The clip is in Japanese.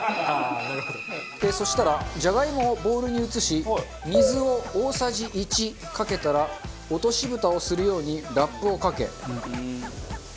そしたらジャガイモをボウルに移し水を大さじ１かけたら落としぶたをするようにラップをかけ。